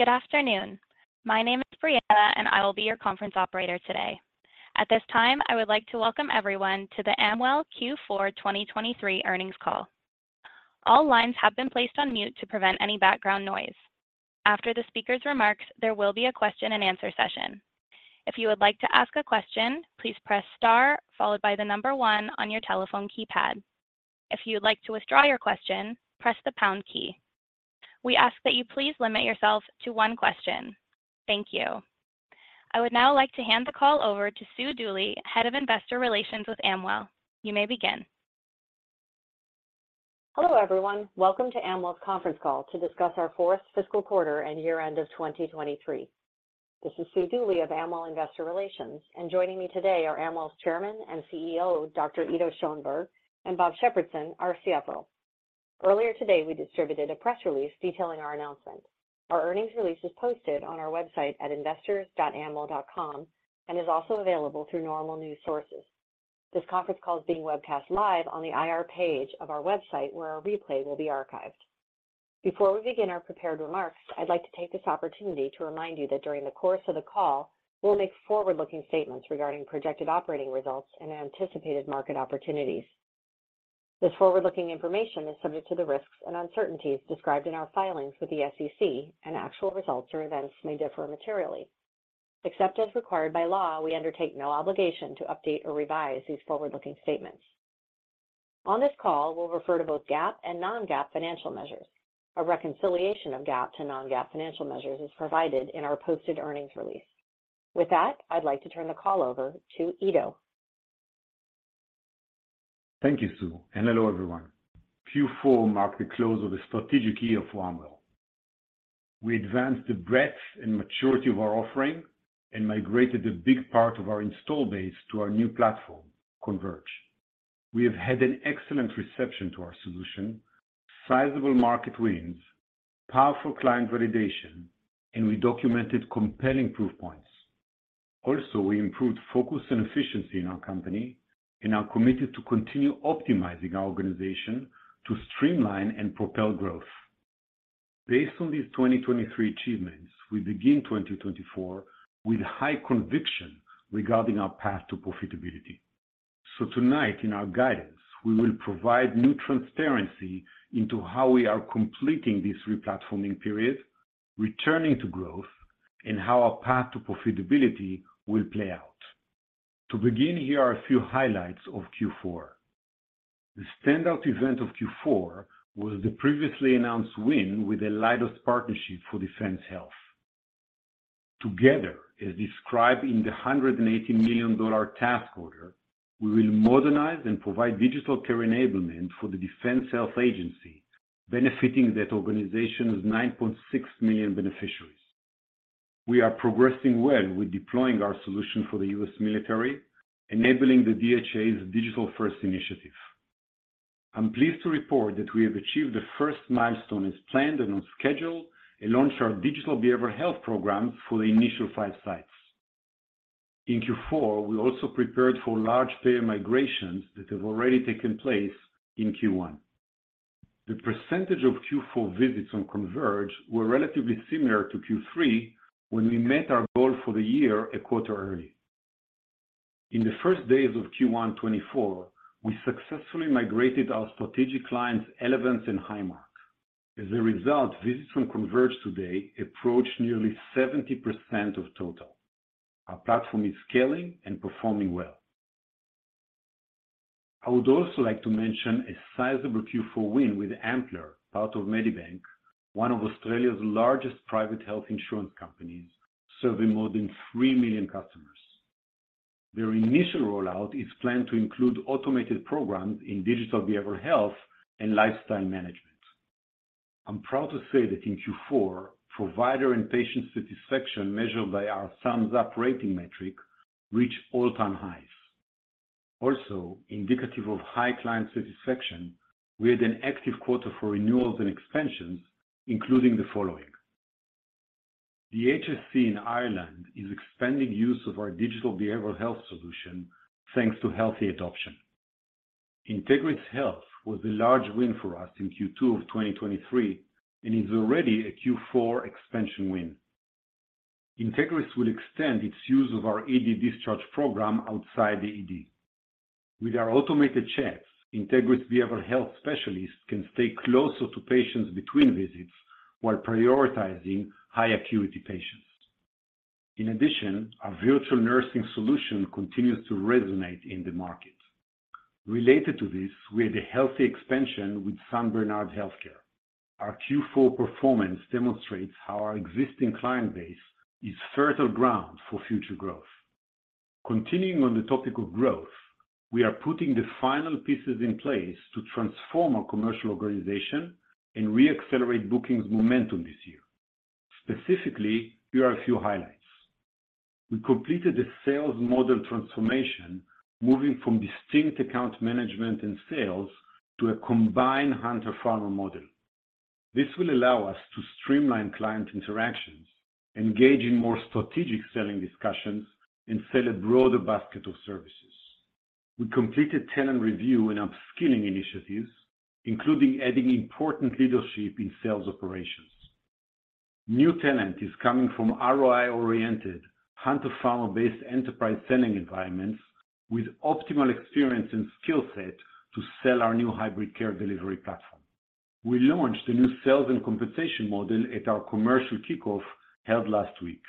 Good afternoon. My name is Brianna, and I will be your conference operator today. At this time, I would like to welcome everyone to the Amwell Q4 2023 earnings call. All lines have been placed on mute to prevent any background noise. After the speaker's remarks, there will be a question-and-answer session. If you would like to ask a question, please press star followed by the number one on your telephone keypad. If you would like to withdraw your question, press the pound key. We ask that you please limit yourself to one question. Thank you. I would now like to hand the call over to Sue Dooley, Head of Investor Relations with Amwell. You may begin. Hello everyone. Welcome to Amwell's conference call to discuss our fourth fiscal quarter and year-end of 2023. This is Sue Dooley of Amwell Investor Relations, and joining me today are Amwell's Chairman and CEO, Dr. Ido Schoenberg, and Bob Shepardson, our CFO. Earlier today, we distributed a press release detailing our announcement. Our earnings release is posted on our website at investors.amwell.com and is also available through normal news sources. This conference call is being webcast live on the IR page of our website where our replay will be archived. Before we begin our prepared remarks, I'd like to take this opportunity to remind you that during the course of the call, we'll make forward-looking statements regarding projected operating results and anticipated market opportunities. This forward-looking information is subject to the risks and uncertainties described in our filings with the SEC, and actual results or events may differ materially. Except as required by law, we undertake no obligation to update or revise these forward-looking statements. On this call, we'll refer to both GAAP and non-GAAP financial measures. A reconciliation of GAAP to non-GAAP financial measures is provided in our posted earnings release. With that, I'd like to turn the call over to Ido. Thank you, Sue, and hello everyone. Q4 marked the close of the strategic year for Amwell. We advanced the breadth and maturity of our offering and migrated a big part of our install base to our new platform, Converge. We have had an excellent reception to our solution, sizable market wins, powerful client validation, and we documented compelling proof points. Also, we improved focus and efficiency in our company, and are committed to continue optimizing our organization to streamline and propel growth. Based on these 2023 achievements, we begin 2024 with high conviction regarding our path to profitability. So tonight, in our guidance, we will provide new transparency into how we are completing this replatforming period, returning to growth, and how our path to profitability will play out. To begin, here are a few highlights of Q4. The standout event of Q4 was the previously announced win with the Leidos Partnership for Defense Health. Together, as described in the $180 million task order, we will modernize and provide digital care enablement for the Defense Health Agency, benefiting that organization's 9.6 million beneficiaries. We are progressing well with deploying our solution for the U.S. military, enabling the DHA's Digital First initiative. I'm pleased to report that we have achieved the first milestone as planned and on schedule: launch our Digital Behavioral Health programs for the initial five sites. In Q4, we also prepared for large payer migrations that have already taken place in Q1. The percentage of Q4 visits on Converge were relatively similar to Q3 when we met our goal for the year a quarter early. In the first days of Q1 2024, we successfully migrated our strategic clients Elevance and Highmark. As a result, visits from Converge today approach nearly 70% of total. Our platform is scaling and performing well. I would also like to mention a sizable Q4 win with Amplar, part of Medibank, one of Australia's largest private health insurance companies, serving more than three million customers. Their initial rollout is planned to include automated programs in Digital Behavioral Health and lifestyle management. I'm proud to say that in Q4, provider and patient satisfaction measured by our Thumbs Up rating metric reached all-time highs. Also, indicative of high client satisfaction, we had an active quarter for renewals and expansions, including the following: The HSE in Ireland is expanding use of our Digital Behavioral Health solution thanks to healthy adoption. INTEGRIS Health was a large win for us in Q2 of 2023 and is already a Q4 expansion win. INTEGRIS will extend its use of our ED discharge program outside the ED. With our automated chats, INTEGRIS behavioral health specialists can stay closer to patients between visits while prioritizing high-acuity patients. In addition, our virtual nursing solution continues to resonate in the market. Related to this, we had a healthy expansion with San Bernardino Healthcare. Our Q4 performance demonstrates how our existing client base is fertile ground for future growth. Continuing on the topic of growth, we are putting the final pieces in place to transform our commercial organization and reaccelerate bookings momentum this year. Specifically, here are a few highlights: We completed a sales model transformation, moving from distinct account management and sales to a combined Hunter-Farmer model. This will allow us to streamline client interactions, engage in more strategic selling discussions, and sell a broader basket of services. We completed talent review and upskilling initiatives, including adding important leadership in sales operations. New talent is coming from ROI-oriented, hunter-farmer-based enterprise selling environments with optimal experience and skill set to sell our new hybrid care delivery platform. We launched a new sales and compensation model at our commercial kickoff held last week.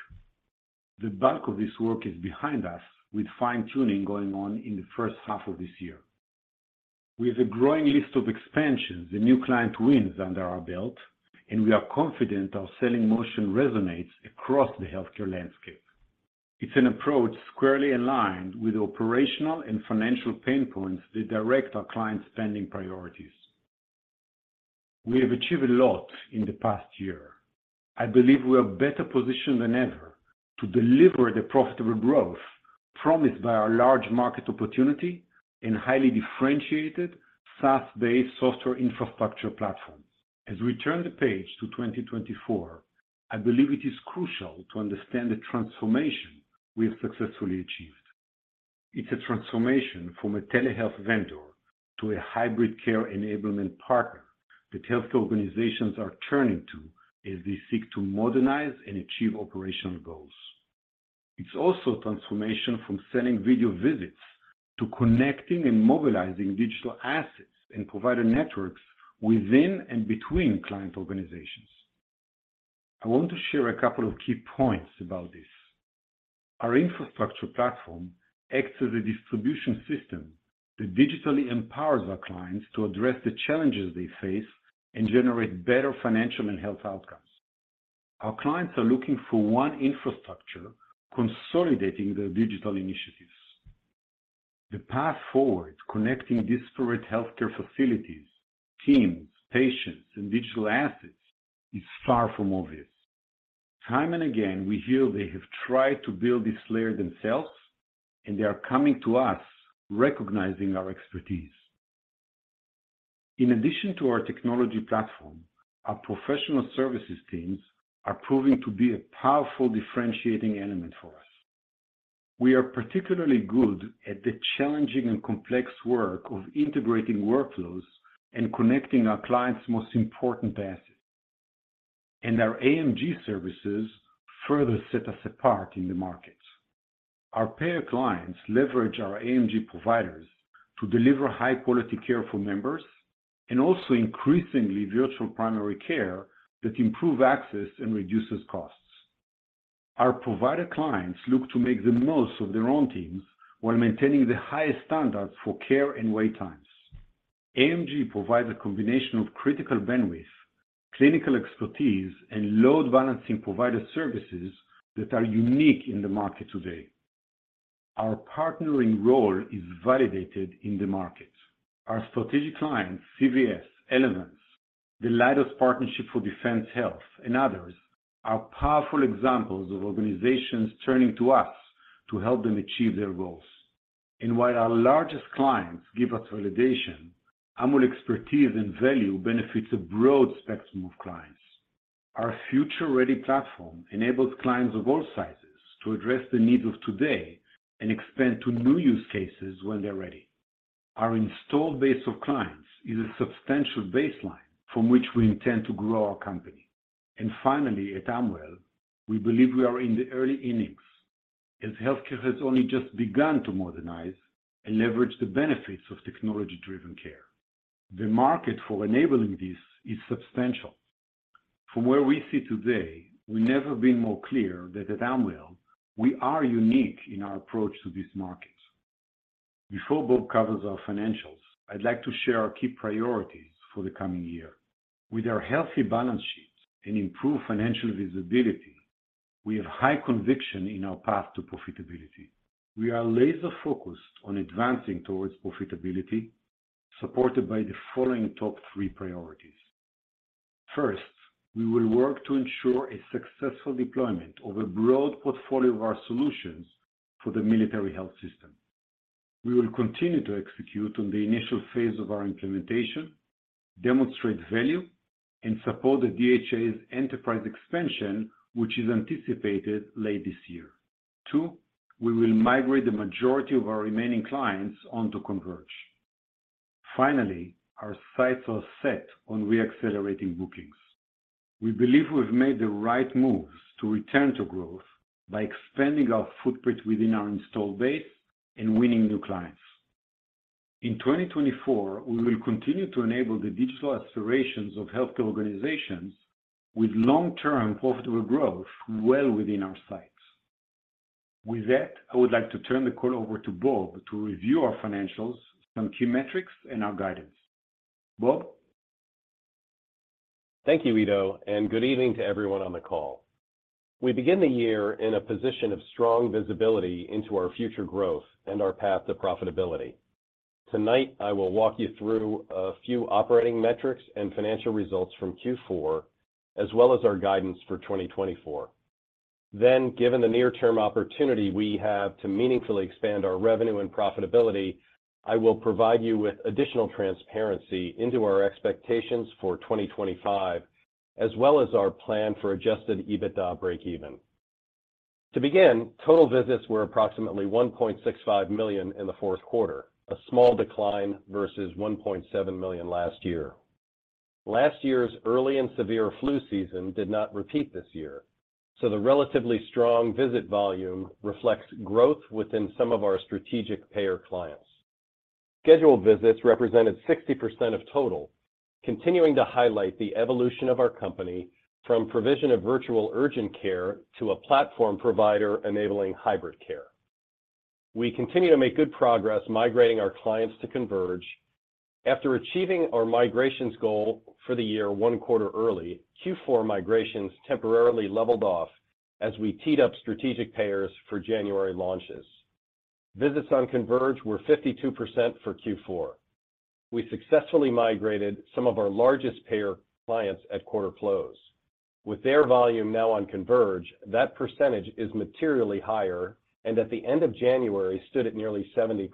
The bulk of this work is behind us, with fine-tuning going on in the first half of this year. We have a growing list of expansions and new client wins under our belt, and we are confident our selling motion resonates across the healthcare landscape. It's an approach squarely aligned with operational and financial pain points that direct our client spending priorities. We have achieved a lot in the past year. I believe we are better positioned than ever to deliver the profitable growth promised by our large market opportunity and highly differentiated SaaS-based software infrastructure platform. As we turn the page to 2024, I believe it is crucial to understand the transformation we have successfully achieved. It's a transformation from a telehealth vendor to a hybrid care enablement partner that healthcare organizations are turning to as they seek to modernize and achieve operational goals. It's also a transformation from selling video visits to connecting and mobilizing digital assets and provider networks within and between client organizations. I want to share a couple of key points about this. Our infrastructure platform acts as a distribution system that digitally empowers our clients to address the challenges they face and generate better financial and health outcomes. Our clients are looking for one infrastructure consolidating their digital initiatives. The path forward connecting disparate healthcare facilities, teams, patients, and digital assets is far from obvious. Time and again, we hear they have tried to build this layer themselves, and they are coming to us recognizing our expertise. In addition to our technology platform, our professional services teams are proving to be a powerful differentiating element for us. We are particularly good at the challenging and complex work of integrating workflows and connecting our clients' most important assets. Our AMG services further set us apart in the market. Our payer clients leverage our AMG providers to deliver high-quality care for members and also increasingly virtual primary care that improves access and reduces costs. Our provider clients look to make the most of their own teams while maintaining the highest standards for care and wait times. AMG provides a combination of critical bandwidth, clinical expertise, and load balancing provider services that are unique in the market today. Our partnering role is validated in the market. Our strategic clients, CVS, Elevance, the Leidos Partnership for Defense Health, and others are powerful examples of organizations turning to us to help them achieve their goals. And while our largest clients give us validation, Amwell expertise and value benefit a broad spectrum of clients. Our future-ready platform enables clients of all sizes to address the needs of today and expand to new use cases when they're ready. Our install base of clients is a substantial baseline from which we intend to grow our company. And finally, at Amwell, we believe we are in the early innings as healthcare has only just begun to modernize and leverage the benefits of technology-driven care. The market for enabling this is substantial. From where we sit today, we've never been more clear that at Amwell, we are unique in our approach to this market. Before Bob covers our financials, I'd like to share our key priorities for the coming year. With our healthy balance sheet and improved financial visibility, we have high conviction in our path to profitability. We are laser-focused on advancing towards profitability, supported by the following top three priorities. First, we will work to ensure a successful deployment of a broad portfolio of our solutions for the Military Health System. We will continue to execute on the initial phase of our implementation, demonstrate value, and support the DHA's enterprise expansion, which is anticipated late this year. Two, we will migrate the majority of our remaining clients onto Converge. Finally, our sights are set on reaccelerating bookings. We believe we've made the right moves to return to growth by expanding our footprint within our install base and winning new clients. In 2024, we will continue to enable the digital aspirations of healthcare organizations with long-term profitable growth well within our sights. With that, I would like to turn the call over to Bob to review our financials, some key metrics, and our guidance. Bob? Thank you, Ido, and good evening to everyone on the call. We begin the year in a position of strong visibility into our future growth and our path to profitability. Tonight, I will walk you through a few operating metrics and financial results from Q4, as well as our guidance for 2024. Then, given the near-term opportunity we have to meaningfully expand our revenue and profitability, I will provide you with additional transparency into our expectations for 2025, as well as our plan for adjusted EBITDA break-even. To begin, total visits were approximately 1.65 million in the fourth quarter, a small decline versus 1.7 million last year. Last year's early and severe flu season did not repeat this year, so the relatively strong visit volume reflects growth within some of our strategic payer clients. Scheduled visits represented 60% of total, continuing to highlight the evolution of our company from provision of virtual urgent care to a platform provider enabling hybrid care. We continue to make good progress migrating our clients to Converge. After achieving our migrations goal for the year one quarter early, Q4 migrations temporarily leveled off as we teed up strategic payers for January launches. Visits on Converge were 52% for Q4. We successfully migrated some of our largest payer clients at quarter close. With their volume now on Converge, that percentage is materially higher and at the end of January stood at nearly 70%.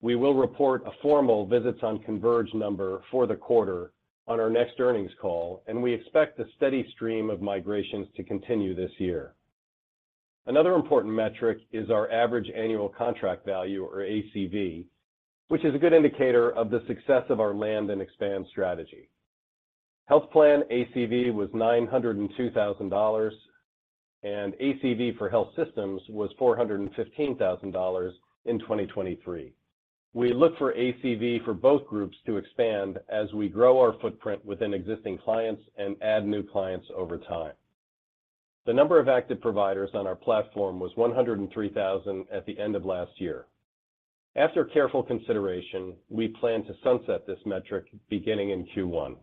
We will report a formal visits on Converge number for the quarter on our next earnings call, and we expect the steady stream of migrations to continue this year. Another important metric is our average annual contract value, or ACV, which is a good indicator of the success of our land and expand strategy. Health plan ACV was $902,000, and ACV for health systems was $415,000 in 2023. We look for ACV for both groups to expand as we grow our footprint within existing clients and add new clients over time. The number of active providers on our platform was 103,000 at the end of last year. After careful consideration, we plan to sunset this metric beginning in Q1.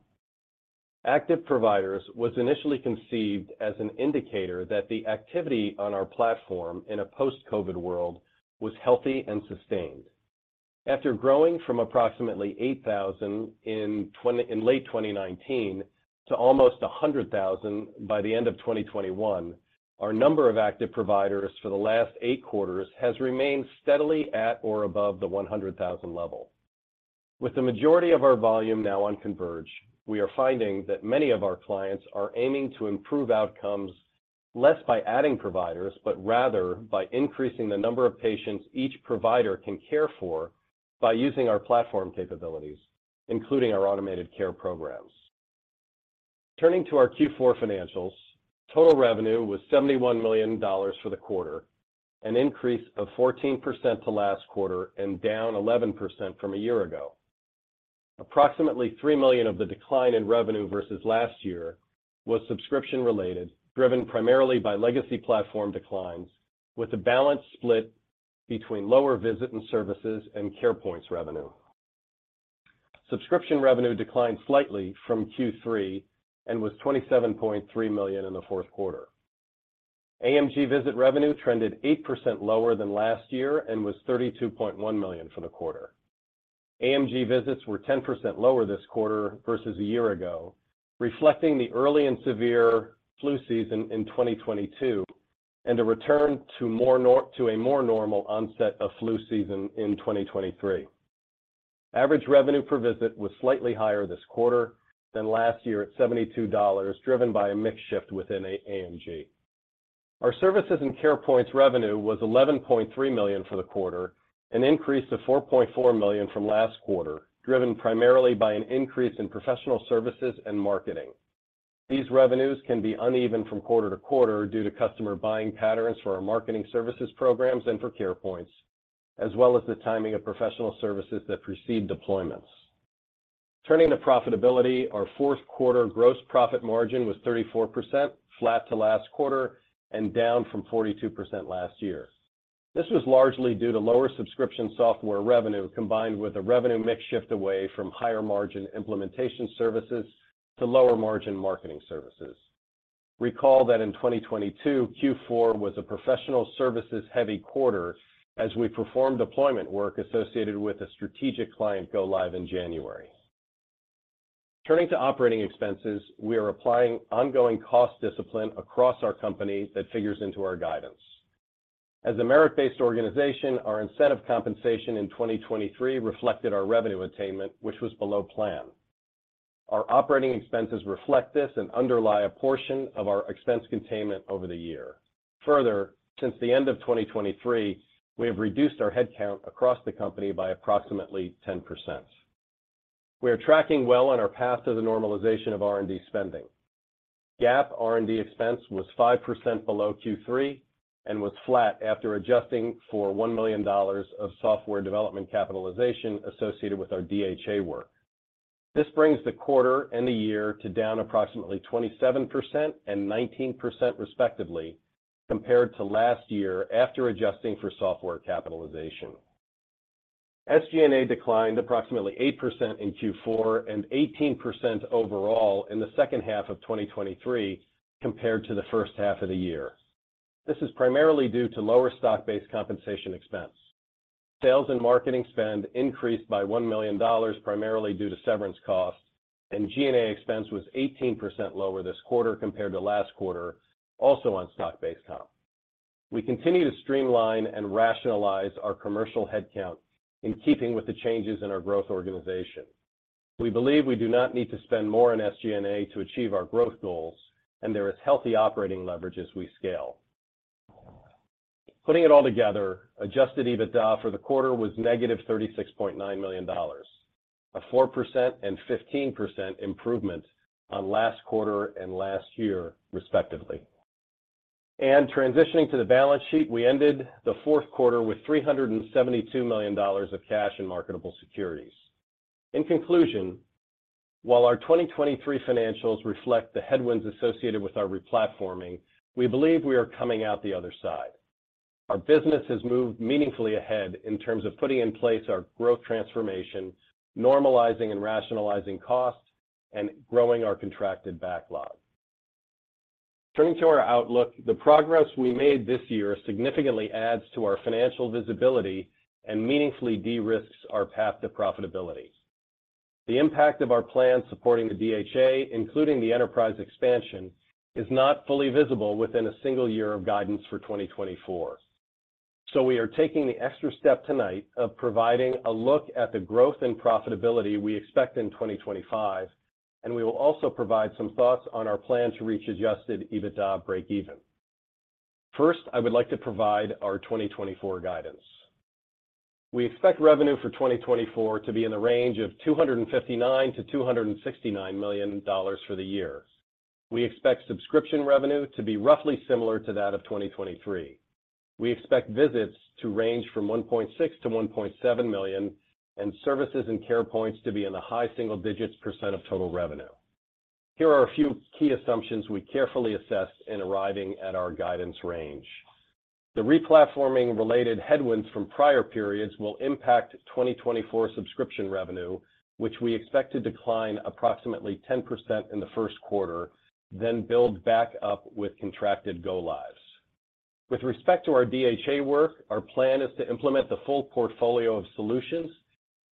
Active providers was initially conceived as an indicator that the activity on our platform in a post-COVID world was healthy and sustained. After growing from approximately 8,000 in late 2019 to almost 100,000 by the end of 2021, our number of active providers for the last eight quarters has remained steadily at or above the 100,000 level. With the majority of our volume now on Converge, we are finding that many of our clients are aiming to improve outcomes less by adding providers, but rather by increasing the number of patients each provider can care for by using our platform capabilities, including our automated care programs. Turning to our Q4 financials, total revenue was $71 million for the quarter, an increase of 14% to last quarter and down 11% from a year ago. Approximately $3 million of the decline in revenue versus last year was subscription-related, driven primarily by legacy platform declines, with a balanced split between lower visit and services and care points revenue. Subscription revenue declined slightly from Q3 and was $27.3 million in the fourth quarter. AMG visit revenue trended 8% lower than last year and was $32.1 million for the quarter. AMG visits were 10% lower this quarter versus a year ago, reflecting the early and severe flu season in 2022 and a return to a more normal onset of flu season in 2023. Average revenue per visit was slightly higher this quarter than last year at $72, driven by a mixed shift within AMG. Our services and Carepoints revenue was $11.3 million for the quarter and increased to $4.4 million from last quarter, driven primarily by an increase in professional services and marketing. These revenues can be uneven from quarter to quarter due to customer buying patterns for our marketing services programs and for Carepoints, as well as the timing of professional services that precede deployments. Turning to profitability, our fourth quarter gross profit margin was 34%, flat to last quarter, and down from 42% last year. This was largely due to lower subscription software revenue combined with a revenue mix shift away from higher margin implementation services to lower margin marketing services. Recall that in 2022, Q4 was a professional services-heavy quarter as we performed deployment work associated with a strategic client go-live in January. Turning to operating expenses, we are applying ongoing cost discipline across our company that figures into our guidance. As a merit-based organization, our incentive compensation in 2023 reflected our revenue attainment, which was below plan. Our operating expenses reflect this and underlie a portion of our expense containment over the year. Further, since the end of 2023, we have reduced our headcount across the company by approximately 10%. We are tracking well on our path to the normalization of R&D spending. GAAP R&D expense was 5% below Q3 and was flat after adjusting for $1 million of software development capitalization associated with our DHA work. This brings the quarter and the year down approximately 27% and 19%, respectively, compared to last year after adjusting for software capitalization. SG&A declined approximately 8% in Q4 and 18% overall in the second half of 2023 compared to the first half of the year. This is primarily due to lower stock-based compensation expense. Sales and marketing spend increased by $1 million primarily due to severance costs, and G&A expense was 18% lower this quarter compared to last quarter, also on stock-based comp. We continue to streamline and rationalize our commercial headcount in keeping with the changes in our growth organization. We believe we do not need to spend more in SG&A to achieve our growth goals, and there is healthy operating leverage as we scale. Putting it all together, adjusted EBITDA for the quarter was -$36.9 million, a 4% and 15% improvement on last quarter and last year, respectively. Transitioning to the balance sheet, we ended the fourth quarter with $372 million of cash and marketable securities. In conclusion, while our 2023 financials reflect the headwinds associated with our replatforming, we believe we are coming out the other side. Our business has moved meaningfully ahead in terms of putting in place our growth transformation, normalizing and rationalizing costs, and growing our contracted backlog. Turning to our outlook, the progress we made this year significantly adds to our financial visibility and meaningfully de-risks our path to profitability. The impact of our plan supporting the DHA, including the enterprise expansion, is not fully visible within a single year of guidance for 2024. So we are taking the extra step tonight of providing a look at the growth and profitability we expect in 2025, and we will also provide some thoughts on our plan to reach adjusted EBITDA break-even. First, I would like to provide our 2024 guidance. We expect revenue for 2024 to be in the range of $259 million-$269 million for the year. We expect subscription revenue to be roughly similar to that of 2023. We expect visits to range from 1.6 million-1.7 million, and services and Carepoints to be in the high single-digits% of total revenue. Here are a few key assumptions we carefully assessed in arriving at our guidance range. The replatforming-related headwinds from prior periods will impact 2024 subscription revenue, which we expect to decline approximately 10% in the first quarter, then build back up with contracted go-lives. With respect to our DHA work, our plan is to implement the full portfolio of solutions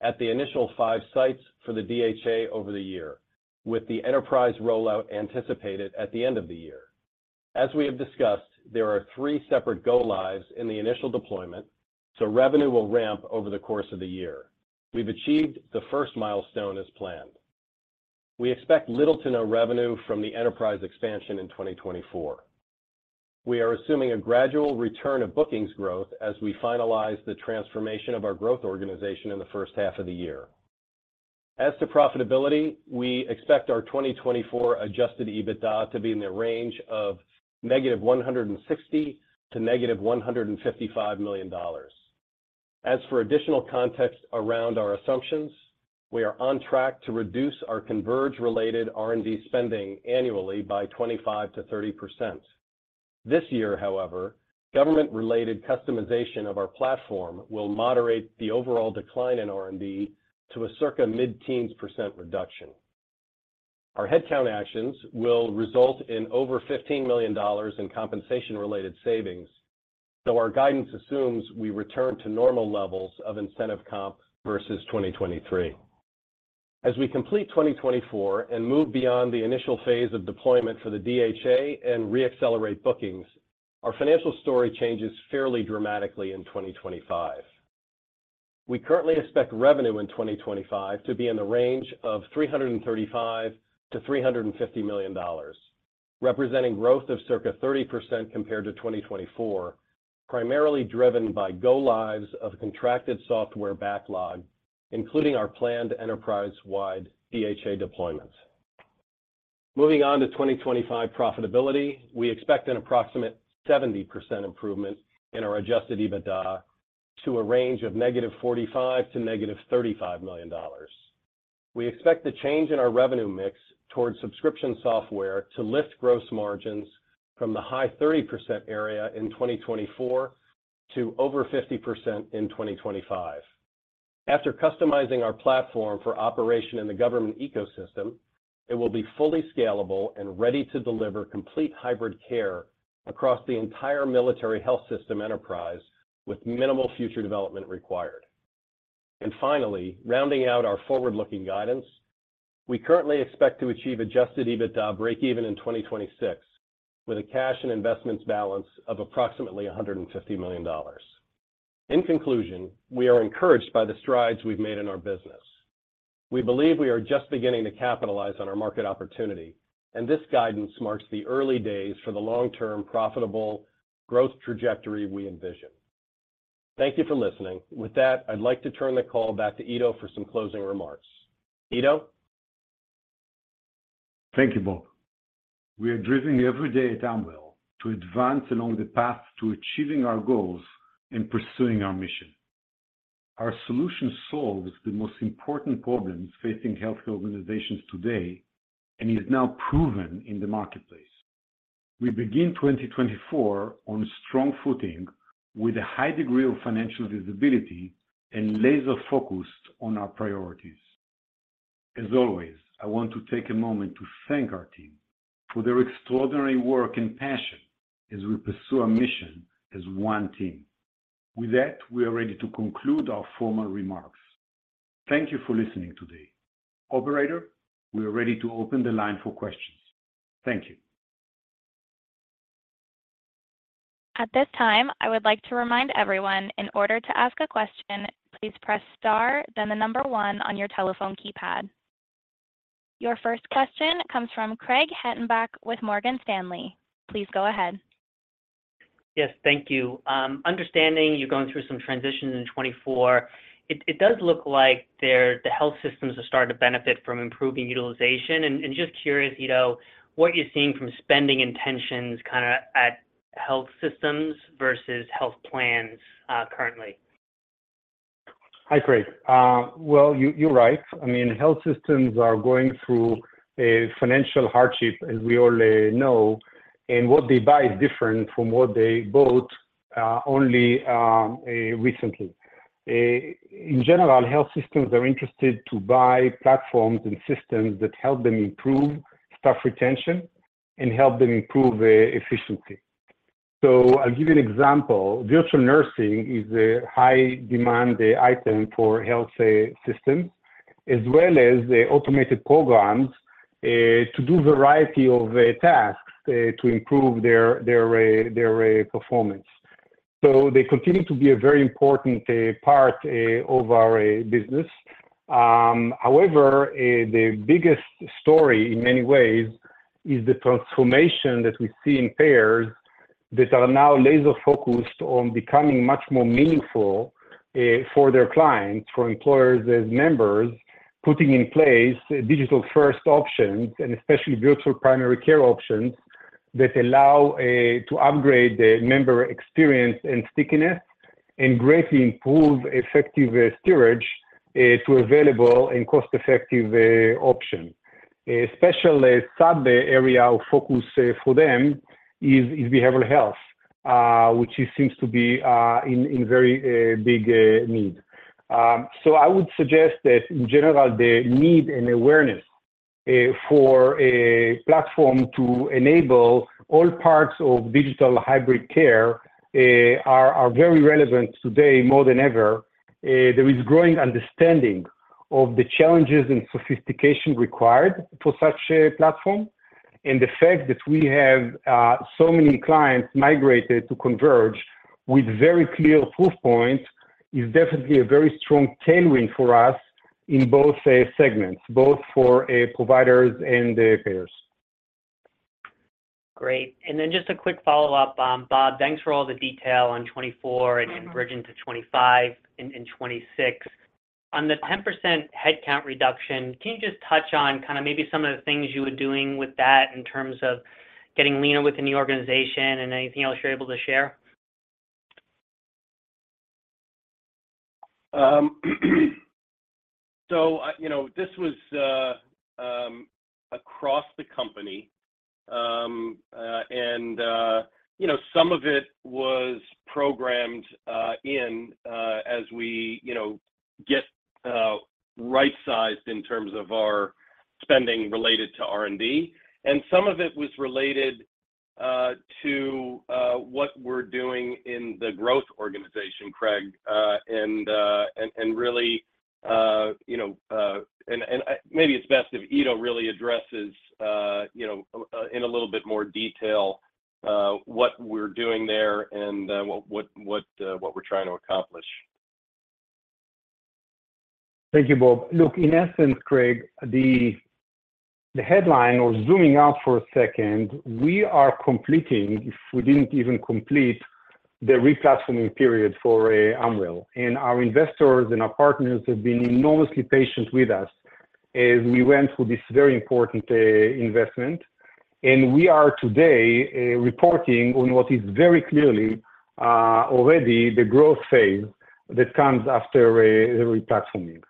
at the initial five sites for the DHA over the year, with the enterprise rollout anticipated at the end of the year. As we have discussed, there are three separate go-lives in the initial deployment, so revenue will ramp over the course of the year. We've achieved the first milestone as planned. We expect little to no revenue from the enterprise expansion in 2024. We are assuming a gradual return of bookings growth as we finalize the transformation of our growth organization in the first half of the year. As to profitability, we expect our 2024 adjusted EBITDA to be in the range of -$150 million to -$155 million. As for additional context around our assumptions, we are on track to reduce our Converge-related R&D spending annually by 25%-30%. This year, however, government-related customization of our platform will moderate the overall decline in R&D to a circa mid-teens% reduction. Our headcount actions will result in over $15 million in compensation-related savings, though our guidance assumes we return to normal levels of incentive comp versus 2023. As we complete 2024 and move beyond the initial phase of deployment for the DHA and reaccelerate bookings, our financial story changes fairly dramatically in 2025. We currently expect revenue in 2025 to be in the range of $335 million-$350 million, representing growth of circa 30% compared to 2024, primarily driven by go-lives of contracted software backlog, including our planned enterprise-wide DHA deployments. Moving on to 2025 profitability, we expect an approximate 70% improvement in our adjusted EBITDA to a range of -$45 million to -$35 million. We expect the change in our revenue mix towards subscription software to lift gross margins from the high 30% area in 2024 to over 50% in 2025. After customizing our platform for operation in the government ecosystem, it will be fully scalable and ready to deliver complete hybrid care across the entire Military Health System enterprise with minimal future development required. And finally, rounding out our forward-looking guidance, we currently expect to achieve adjusted EBITDA break-even in 2026 with a cash and investments balance of approximately $150 million. In conclusion, we are encouraged by the strides we've made in our business. We believe we are just beginning to capitalize on our market opportunity, and this guidance marks the early days for the long-term profitable growth trajectory we envision. Thank you for listening. With that, I'd like to turn the call back to Ido for some closing remarks. Ido? Thank you, Bob. We are driving every day at Amwell to advance along the path to achieving our goals and pursuing our mission. Our solution solves the most important problems facing healthcare organizations today and is now proven in the marketplace. We begin 2024 on strong footing with a high degree of financial visibility and laser-focused on our priorities. As always, I want to take a moment to thank our team for their extraordinary work and passion as we pursue our mission as one team. With that, we are ready to conclude our formal remarks. Thank you for listening today. Operator, we are ready to open the line for questions. Thank you. At this time, I would like to remind everyone, in order to ask a question, please press star, then the number one on your telephone keypad. Your first question comes from Craig Hettenbach with Morgan Stanley. Please go ahead. Yes, thank you. Understanding you're going through some transitions in 2024, it does look like the health systems have started to benefit from improving utilization. And just curious, Ido, what you're seeing from spending intentions kind of at health systems versus health plans currently? Hi, Craig. Well, you're right. I mean, health systems are going through a financial hardship, as we all know, and what they buy is different from what they bought only recently. In general, health systems are interested to buy platforms and systems that help them improve staff retention and help them improve efficiency. So I'll give you an example. Virtual nursing is a high-demand item for health systems, as well as automated programs to do a variety of tasks to improve their performance. So they continue to be a very important part of our business. However, the biggest story, in many ways, is the transformation that we see in payers that are now laser-focused on becoming much more meaningful for their clients, for employers as members, putting in place digital-first options and especially virtual primary care options that allow to upgrade the member experience and stickiness and greatly improve effective steerage to available and cost-effective options. A special sub-area of focus for them is behavioral health, which seems to be in very big need. So I would suggest that, in general, the need and awareness for a platform to enable all parts of digital hybrid care are very relevant today more than ever. There is growing understanding of the challenges and sophistication required for such a platform, and the fact that we have so many clients migrated to Converge with very clear proof points is definitely a very strong tailwind for us in both segments, both for providers and payers. Great. And then just a quick follow-up, Bob. Thanks for all the detail on 2024 and bridging to 2025 and 2026. On the 10% headcount reduction, can you just touch on kind of maybe some of the things you were doing with that in terms of getting leaner within the organization and anything else you're able to share? So this was across the company, and some of it was programmed in as we get right-sized in terms of our spending related to R&D. Some of it was related to what we're doing in the growth organization, Craig, and really and maybe it's best if Ido really addresses in a little bit more detail what we're doing there and what we're trying to accomplish. Thank you, Bob. Look, in essence, Craig, the headline or zooming out for a second, we are completing, if we didn't even complete, the replatforming period for Amwell. And our investors and our partners have been enormously patient with us as we went through this very important investment. And we are today reporting on what is very clearly already the growth phase that comes after the replatforming.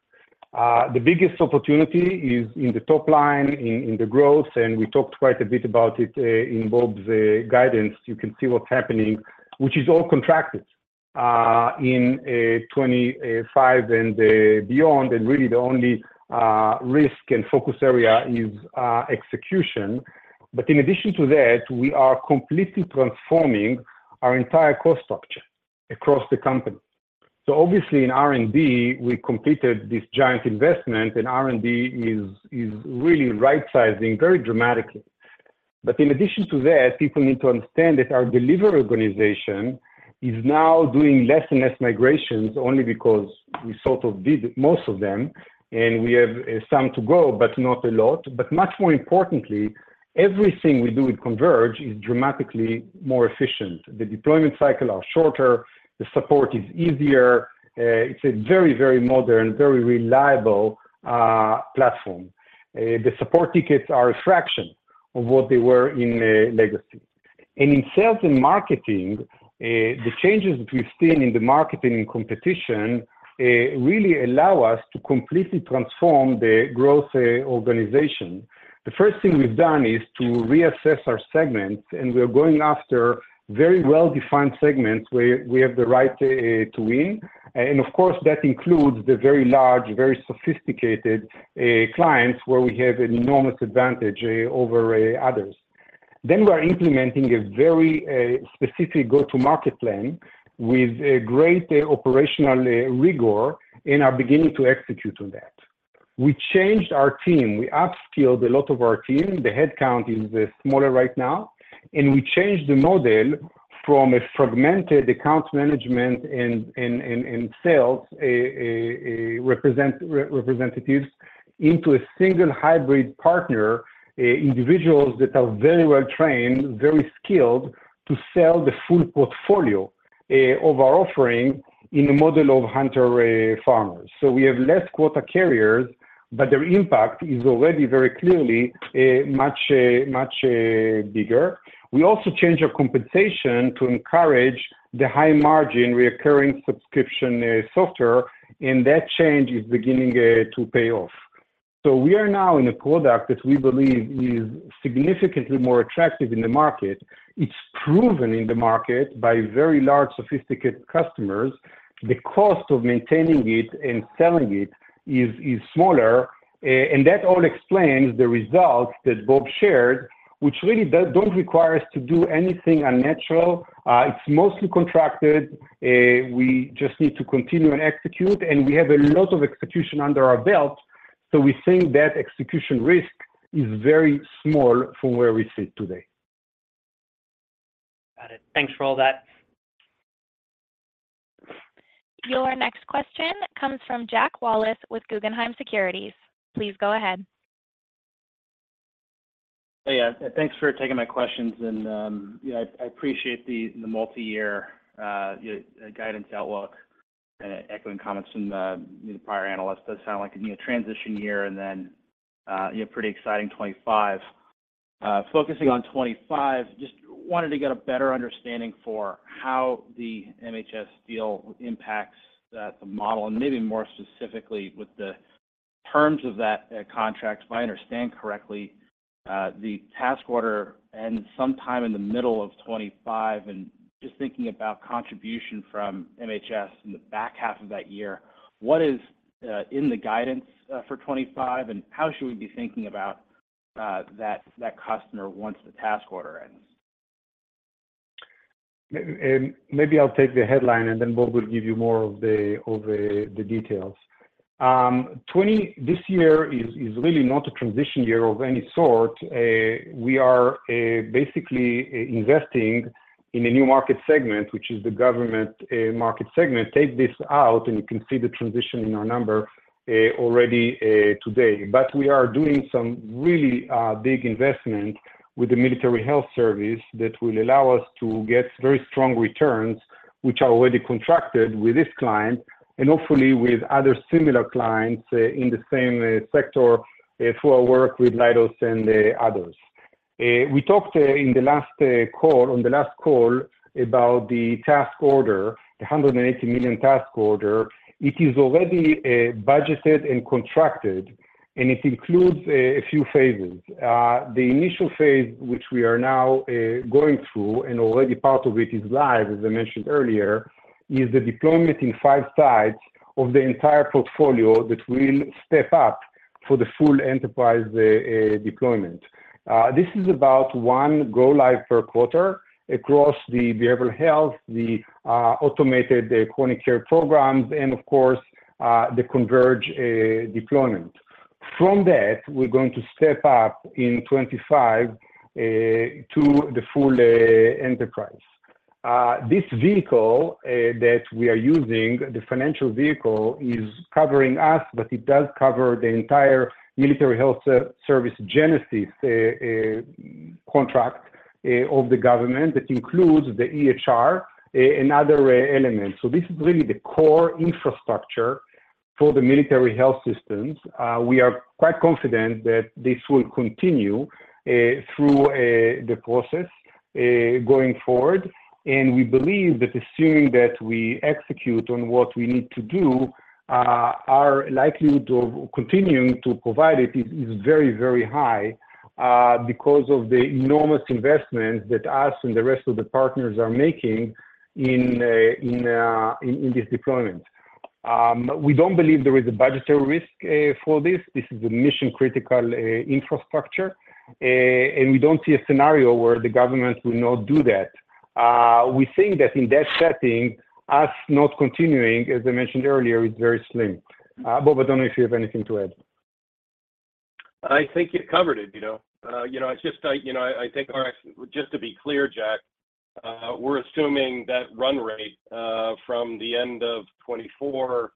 The biggest opportunity is in the top line, in the growth, and we talked quite a bit about it in Bob's guidance. You can see what's happening, which is all contracted in 2025 and beyond. And really, the only risk and focus area is execution. But in addition to that, we are completely transforming our entire cost structure across the company. So obviously, in R&D, we completed this giant investment, and R&D is really right-sizing very dramatically. But in addition to that, people need to understand that our delivery organization is now doing less and less migrations only because we sort of did most of them, and we have some to go but not a lot. But much more importantly, everything we do with Converge is dramatically more efficient. The deployment cycles are shorter. The support is easier. It's a very, very modern, very reliable platform. The support tickets are a fraction of what they were in legacy. And in sales and marketing, the changes that we've seen in the marketing and competition really allow us to completely transform the growth organization. The first thing we've done is to reassess our segments, and we are going after very well-defined segments where we have the right to win. And of course, that includes the very large, very sophisticated clients where we have an enormous advantage over others. Then we are implementing a very specific go-to-market plan with great operational rigor and are beginning to execute on that. We changed our team. We upskilled a lot of our team. The headcount is smaller right now, and we changed the model from fragmented account management and sales representatives into a single hybrid partner, individuals that are very well-trained, very skilled to sell the full portfolio of our offering in a model of hunter-farmers. So we have less quota carriers, but their impact is already very clearly much bigger. We also changed our compensation to encourage the high-margin recurring subscription software, and that change is beginning to pay off. So we are now in a product that we believe is significantly more attractive in the market. It's proven in the market by very large, sophisticated customers. The cost of maintaining it and selling it is smaller. That all explains the results that Bob shared, which really don't require us to do anything unnatural. It's mostly contracted. We just need to continue and execute, and we have a lot of execution under our belt. We think that execution risk is very small from where we sit today. Got it. Thanks for all that. Your next question comes from Jack Wallace with Guggenheim Securities. Please go ahead. Yeah. Thanks for taking my questions, and I appreciate the multi-year guidance outlook and echoing comments from the prior analysts. Does sound like a transition year and then a pretty exciting 2025. Focusing on 2025, just wanted to get a better understanding for how the MHS deal impacts the model and maybe more specifically with the terms of that contract. If I understand correctly, the task order ends sometime in the middle of 2025. And just thinking about contribution from MHS in the back half of that year, what is in the guidance for 2025, and how should we be thinking about that customer once the task order ends? Maybe I'll take the headline, and then Bob will give you more of the details. 2024, this year, is really not a transition year of any sort. We are basically investing in a new market segment, which is the government market segment. Take this out, and you can see the transition in our number already today. But we are doing some really big investment with the Military Health System that will allow us to get very strong returns, which are already contracted with this client and hopefully with other similar clients in the same sector through our work with Leidos and others. We talked in the last call on the last call about the task order, the $180 million task order. It is already budgeted and contracted, and it includes a few phases. The initial phase, which we are now going through and already part of it is live, as I mentioned earlier, is the deployment in five sites of the entire portfolio that will step up for the full enterprise deployment. This is about one go-live per quarter across the behavioral health, the automated chronic care programs, and of course, the Converge deployment. From that, we're going to step up in 2025 to the full enterprise. This vehicle that we are using, the financial vehicle, is covering us, but it does cover the entire Military Health System GENESIS contract of the government that includes the EHR and other elements. So this is really the core infrastructure for the Military Health System. We are quite confident that this will continue through the process going forward. And we believe that assuming that we execute on what we need to do, our likelihood of continuing to provide it is very, very high because of the enormous investments that us and the rest of the partners are making in this deployment. We don't believe there is a budgetary risk for this. This is a mission-critical infrastructure, and we don't see a scenario where the government will not do that. We think that in that setting, us not continuing, as I mentioned earlier, is very slim. Bob, I don't know if you have anything to add. I think you've covered it. It's just I think just to be clear, Jack, we're assuming that run rate from the end of 2024,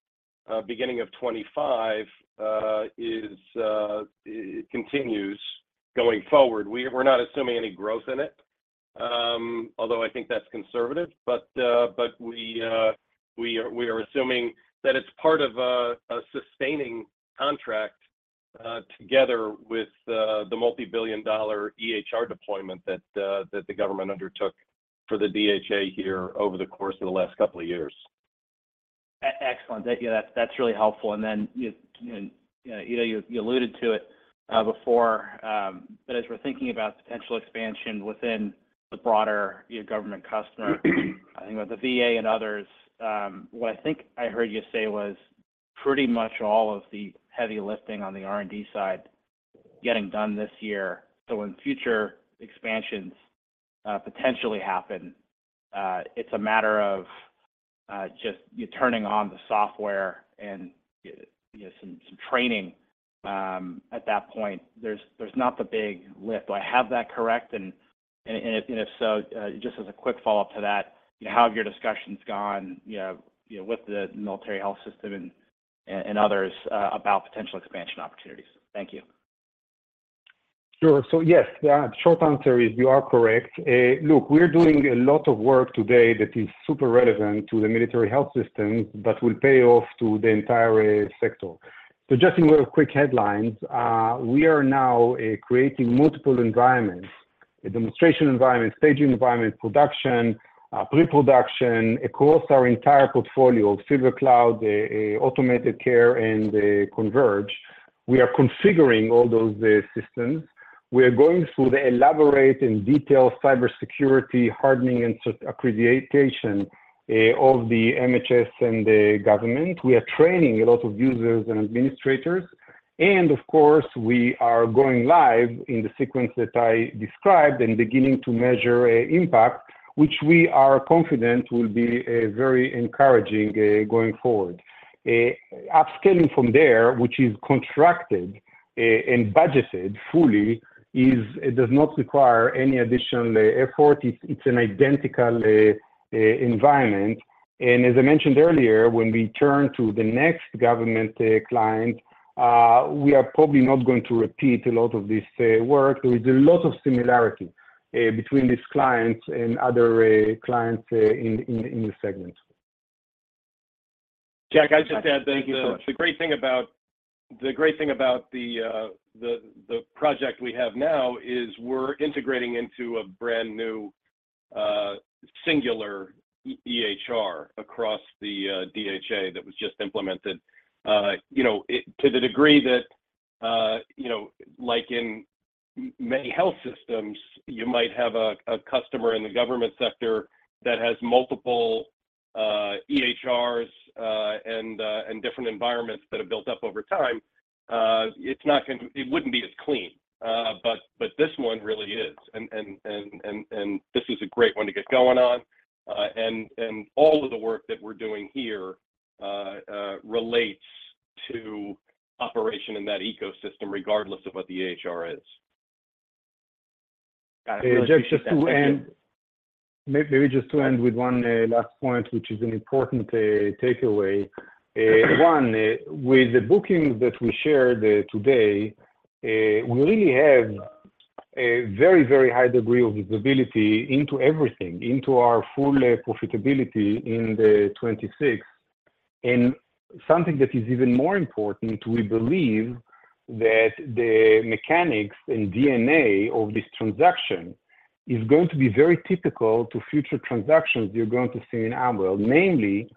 beginning of 2025, continues going forward. We're not assuming any growth in it, although I think that's conservative. But we are assuming that it's part of a sustaining contract together with the multibillion-dollar EHR deployment that the government undertook for the DHA here over the course of the last couple of years. Excellent. Yeah, that's really helpful. And then, Ido, you alluded to it before. But as we're thinking about potential expansion within the broader government customer, I think about the VA and others, what I think I heard you say was pretty much all of the heavy lifting on the R&D side getting done this year. So when future expansions potentially happen, it's a matter of just turning on the software and some training at that point. There's not the big lift. Do I have that correct? And if so, just as a quick follow-up to that, how have your discussions gone with the Military Health System and others about potential expansion opportunities? Thank you. Sure. So yes, the short answer is you are correct. Look, we're doing a lot of work today that is super relevant to the Military Health Systems but will pay off to the entire sector. So just in a quick headlines, we are now creating multiple environments: a demonstration environment, staging environment, production, pre-production across our entire portfolio of SilverCloud, automated care, and Converge. We are configuring all those systems. We are going through the elaborate and detailed cybersecurity hardening and accreditation of the MHS and the government. We are training a lot of users and administrators. And of course, we are going live in the sequence that I described and beginning to measure impact, which we are confident will be very encouraging going forward. Upscaling from there, which is contracted and budgeted fully, does not require any additional effort. It's an identical environment. As I mentioned earlier, when we turn to the next government client, we are probably not going to repeat a lot of this work. There is a lot of similarity between these clients and other clients in the segment. Jack, I'd just add, thank you so much. The great thing about the project we have now is we're integrating into a brand new singular EHR across the DHA that was just implemented to the degree that, like in many health systems, you might have a customer in the government sector that has multiple EHRs and different environments that have built up over time. It wouldn't be as clean, but this one really is. All of the work that we're doing here relates to operation in that ecosystem regardless of what the EHR is. Got it. Maybe just to end with one last point, which is an important takeaway. One, with the bookings that we shared today, we really have a very, very high degree of visibility into everything, into our full profitability in 2026. And something that is even more important, we believe that the mechanics and DNA of this transaction is going to be very typical to future transactions you're going to see in Amwell, namely,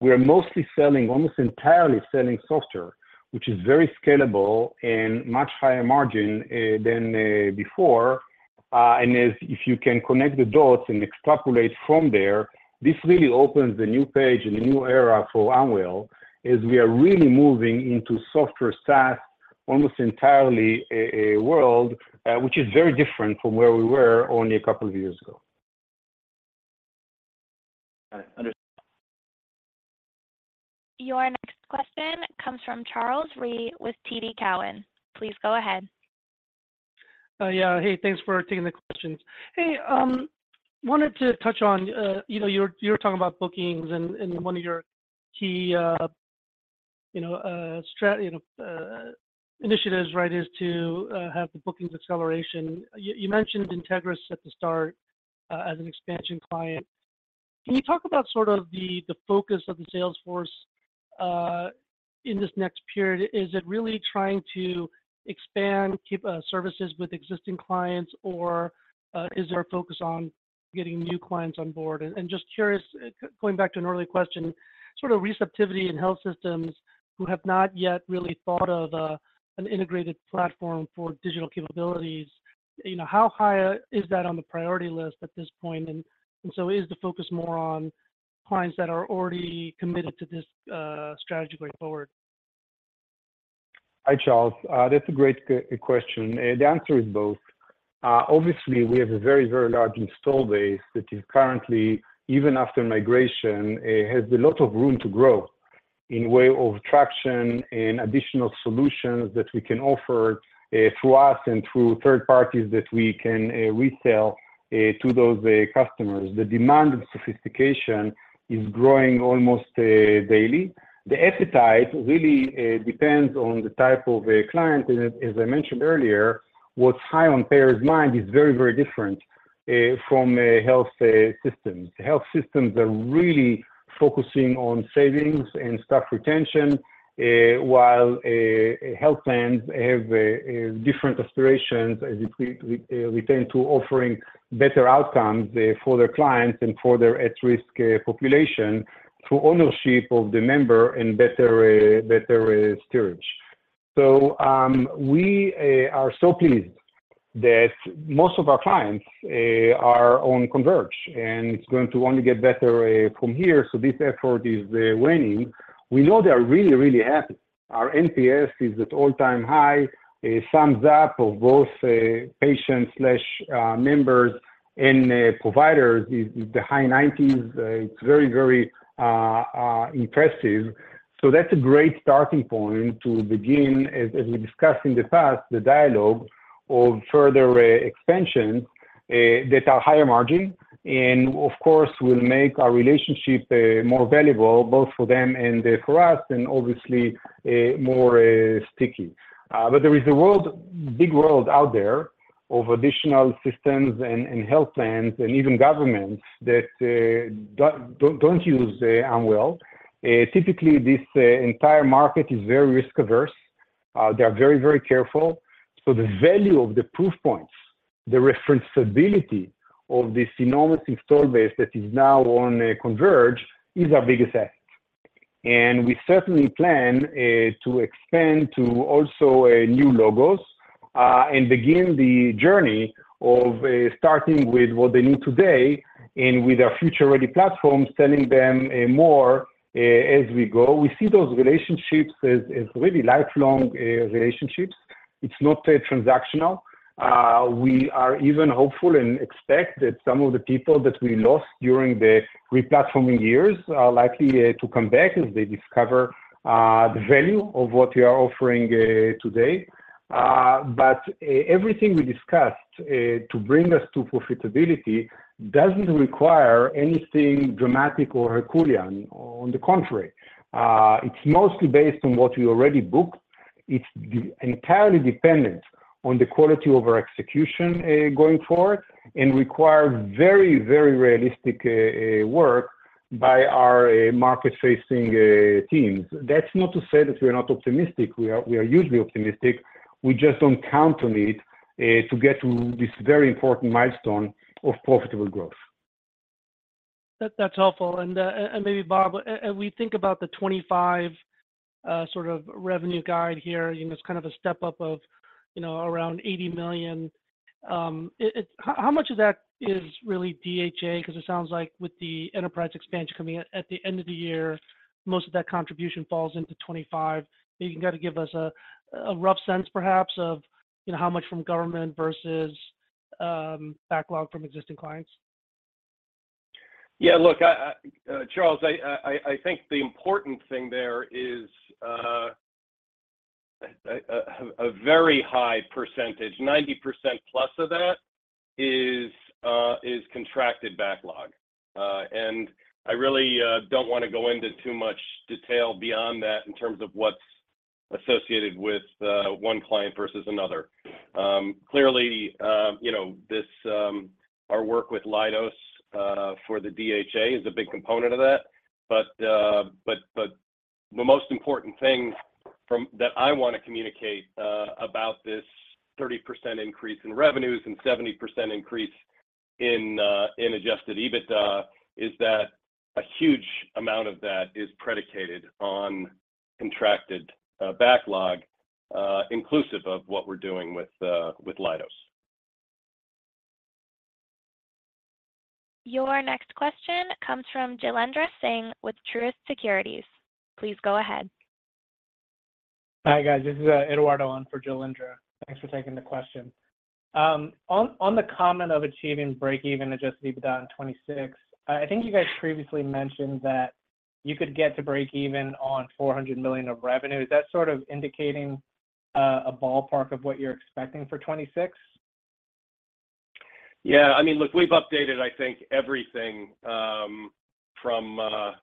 we are mostly selling almost entirely selling software, which is very scalable and much higher margin than before. And if you can connect the dots and extrapolate from there, this really opens a new page and a new era for Amwell as we are really moving into software SaaS almost entirely world, which is very different from where we were only a couple of years ago. Got it. Understood. Your next question comes from Charles Rhyee with TD Cowen. Please go ahead. Yeah. Hey, thanks for taking the questions. Hey, wanted to touch on you were talking about bookings, and one of your key initiatives is to have the bookings acceleration. You mentioned INTEGRIS at the start as an expansion client. Can you talk about sort of the focus of the sales force in this next period? Is it really trying to expand services with existing clients, or is there a focus on getting new clients on board? And just curious, going back to an earlier question, sort of receptivity in health systems who have not yet really thought of an integrated platform for digital capabilities, how high is that on the priority list at this point? And so is the focus more on clients that are already committed to this strategy going forward? Hi, Charles. That's a great question. The answer is both. Obviously, we have a very, very large installed base that is currently, even after migration, has a lot of room to grow in way of traction and additional solutions that we can offer through us and through third parties that we can resell to those customers. The demand and sophistication is growing almost daily. The appetite really depends on the type of client. And as I mentioned earlier, what's high on payers' mind is very, very different from health systems. Health systems are really focusing on savings and staff retention, while health plans have different aspirations as it pertains to offering better outcomes for their clients and for their at-risk population through ownership of the member and better storage. So we are so pleased that most of our clients are on Converge, and it's going to only get better from here. So this effort is waning. We know they are really, really happy. Our NPS is at all-time high. Thumbs Up of both patients/members and providers. It's the high 90s. It's very, very impressive. So that's a great starting point to begin, as we discussed in the past, the dialogue of further expansions that are higher margin and, of course, will make our relationship more valuable both for them and for us and obviously more sticky. But there is a big world out there of additional systems and health plans and even governments that don't use Amwell. Typically, this entire market is very risk-averse. They are very, very careful. So the value of the proof points, the reference stability of this enormous installed base that is now on Converge is our biggest asset. We certainly plan to expand to also new logos and begin the journey of starting with what they need today and with our future-ready platform, selling them more as we go. We see those relationships as really lifelong relationships. It's not transactional. We are even hopeful and expect that some of the people that we lost during the replatforming years are likely to come back as they discover the value of what we are offering today. But everything we discussed to bring us to profitability doesn't require anything dramatic or herculean. On the contrary, it's mostly based on what we already booked. It's entirely dependent on the quality of our execution going forward and requires very, very realistic work by our market-facing teams. That's not to say that we are not optimistic. We are usually optimistic. We just don't count on it to get to this very important milestone of profitable growth. That's helpful. Maybe, Bob, if we think about the 2025 sort of revenue guide here, it's kind of a step up of around $80 million. How much of that is really DHA? Because it sounds like with the enterprise expansion coming at the end of the year, most of that contribution falls into 2025. Maybe you can kind of give us a rough sense, perhaps, of how much from government versus backlog from existing clients? Yeah. Look, Charles, I think the important thing there is a very high percentage, 90%+ of that, is contracted backlog. And I really don't want to go into too much detail beyond that in terms of what's associated with one client versus another. Clearly, our work with Leidos for the DHA is a big component of that. But the most important thing that I want to communicate about this 30% increase in revenues and 70% increase in adjusted EBITDA is that a huge amount of that is predicated on contracted backlog, inclusive of what we're doing with Leidos. Your next question comes from Jailendra Singh with Truist Securities. Please go ahead. Hi, guys. This is Eduardo on for Jailendra. Thanks for taking the question. On the comment of achieving break-even adjusted EBITDA in 2026, I think you guys previously mentioned that you could get to break-even on $400 million of revenue. Is that sort of indicating a ballpark of what you're expecting for 2026? Yeah. I mean, look, we've updated, I think, everything from a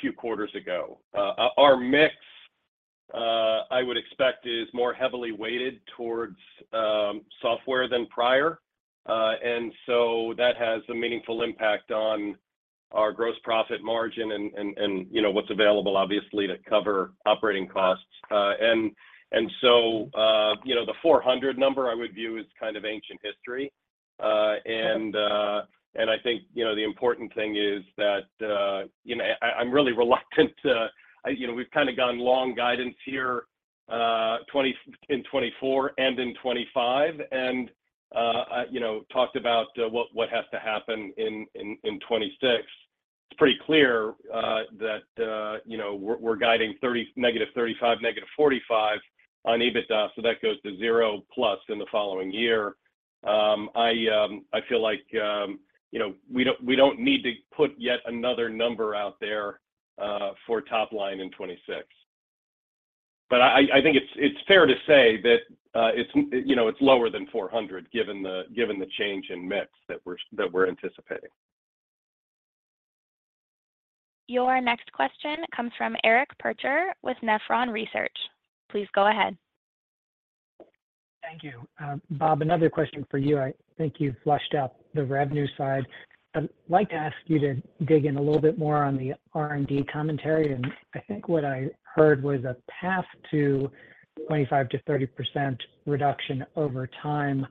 few quarters ago. Our mix, I would expect, is more heavily weighted towards software than prior. And so that has a meaningful impact on our gross profit margin and what's available, obviously, to cover operating costs. And so the 400 number, I would view, is kind of ancient history. And I think the important thing is that I'm really reluctant. We've kind of gone long on guidance here in 2024 and in 2025 and talked about what has to happen in 2026. It's pretty clear that we're guiding -35, -45 on EBITDA. So that goes to zero-plus in the following year. I feel like we don't need to put yet another number out there for top line in 2026. But I think it's fair to say that it's lower than 400 given the change in mix that we're anticipating. Your next question comes from Eric Percher with Nephron Research. Please go ahead. Thank you. Bob, another question for you. I think you've fleshed out the revenue side. I'd like to ask you to dig in a little bit more on the R&D commentary. I think what I heard was a path to 25%-30% reduction over time.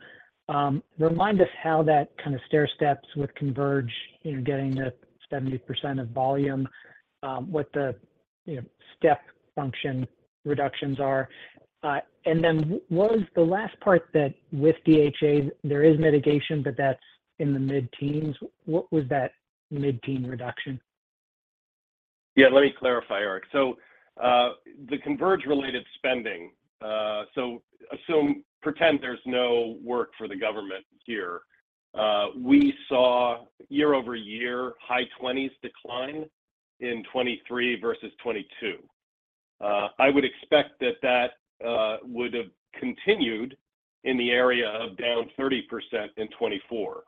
Remind us how that kind of stair steps with Converge, getting the 70% of volume, what the step function reductions are. Then was the last part that with DHA, there is mitigation, but that's in the mid-teens. What was that mid-teen reduction? Yeah. Let me clarify, Eric. So the Converge-related spending, so pretend there's no work for the government here. We saw year-over-year high 20s decline in 2023 versus 2022. I would expect that that would have continued in the area of down 30% in 2024.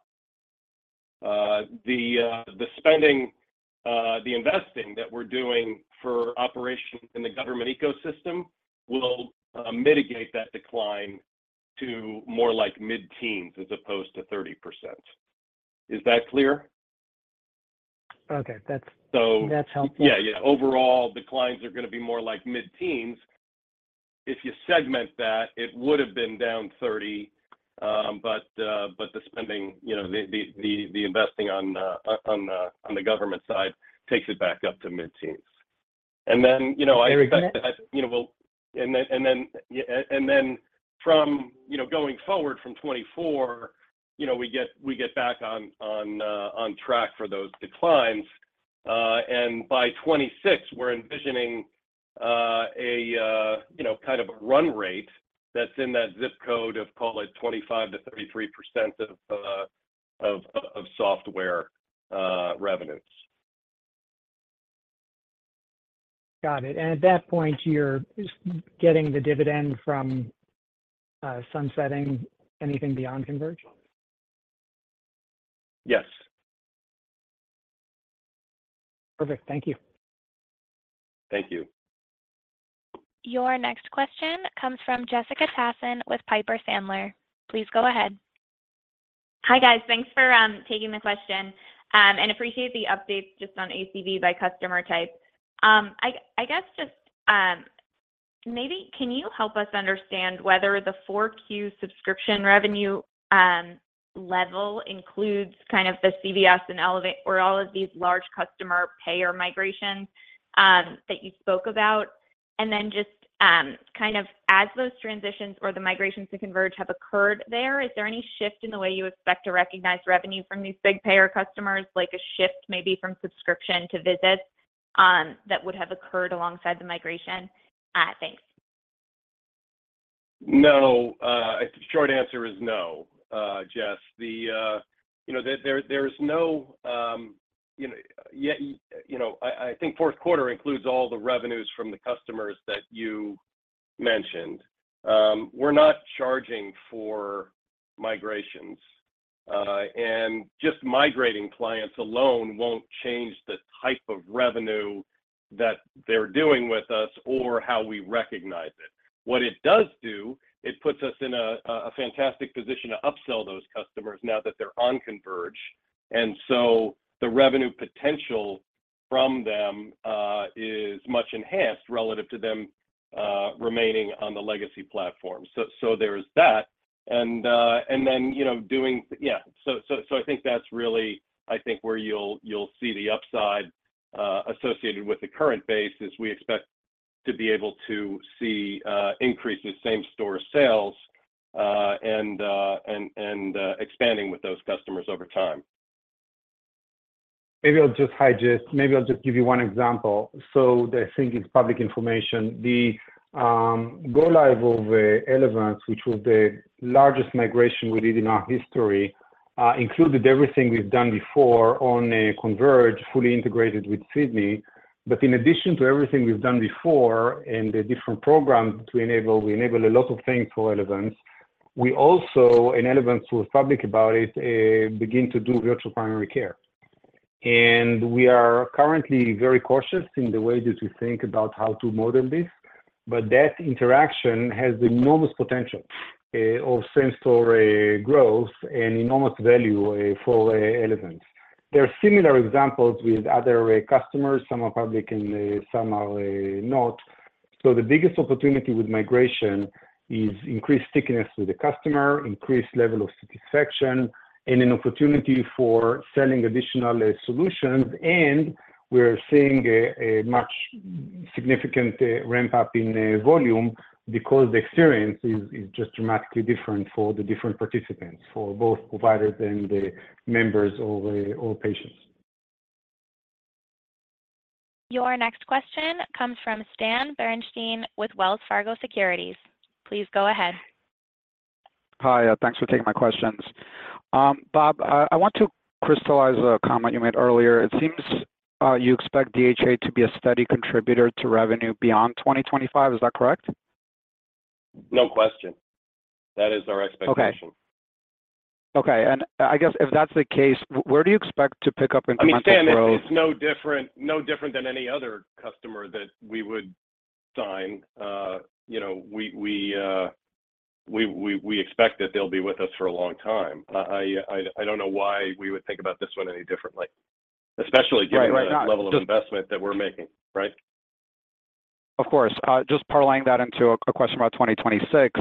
The investing that we're doing for operation in the government ecosystem will mitigate that decline to more like mid-teens as opposed to 30%. Is that clear? Okay. That's helpful. Yeah. Yeah. Overall, declines are going to be more like mid-teens. If you segment that, it would have been down 30. But the spending, the investing on the government side takes it back up to mid-teens. And then I. Very good. And then from going forward from 2024, we get back on track for those declines. And by 2026, we're envisioning kind of a run rate that's in that zip code of, call it, 25%-33% of software revenues. Got it. At that point, you're getting the dividend from sunsetting anything beyond Converge? Yes. Perfect. Thank you. Thank you. Your next question comes from Jessica Tassan with Piper Sandler. Please go ahead. Hi, guys. Thanks for taking the question. And appreciate the update just on ACV by customer type. I guess just maybe can you help us understand whether the 4Q subscription revenue level includes kind of the CVS and all of these large customer payer migrations that you spoke about? And then just kind of as those transitions or the migrations to Converge have occurred there, is there any shift in the way you expect to recognize revenue from these big payer customers, like a shift maybe from subscription to visits that would have occurred alongside the migration? Thanks. No. The short answer is no, Jess. There is no, I think, fourth quarter includes all the revenues from the customers that you mentioned. We're not charging for migrations. And just migrating clients alone won't change the type of revenue that they're doing with us or how we recognize it. What it does do, it puts us in a fantastic position to upsell those customers now that they're on Converge. And so the revenue potential from them is much enhanced relative to them remaining on the legacy platform. So there's that. So I think that's really, I think, where you'll see the upside associated with the current base is we expect to be able to see increases, same-store sales, and expanding with those customers over time. Maybe I'll just hide this. Maybe I'll just give you one example. So the thing is public information. The go-live of Elevance, which was the largest migration we did in our history, included everything we've done before on Converge, fully integrated with Sydney. But in addition to everything we've done before and the different programs to enable, we enable a lot of things for Elevance. And Elevance was public about it, began to do virtual primary care. And we are currently very cautious in the way that we think about how to model this. But that interaction has the enormous potential of same-store growth and enormous value for Elevance. There are similar examples with other customers. Some are public and some are not. So the biggest opportunity with migration is increased stickiness with the customer, increased level of satisfaction, and an opportunity for selling additional solutions. We are seeing a much significant ramp-up in volume because the experience is just dramatically different for the different participants, for both providers and the members or patients. Your next question comes from Stan Berenshteyn with Wells Fargo Securities. Please go ahead. Hi. Thanks for taking my questions. Bob, I want to crystallize a comment you made earlier. It seems you expect DHA to be a steady contributor to revenue beyond 2025. Is that correct? No question. That is our expectation. Okay. And I guess if that's the case, where do you expect to pick up incremental growth? I mean, Stan, it's no different than any other customer that we would sign. We expect that they'll be with us for a long time. I don't know why we would think about this one any differently, especially given the level of investment that we're making, right? Of course. Just parlaying that into a question about 2026,